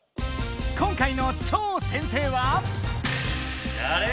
今回の超先生は。